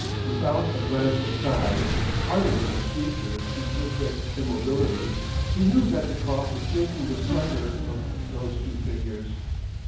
Without a glance aside, hardening his features to perfect immobility, he knew that the cough was shaking the slighter of those two figures.